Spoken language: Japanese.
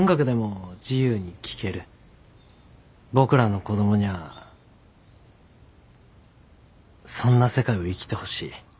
僕らの子供にゃあそんな世界を生きてほしい。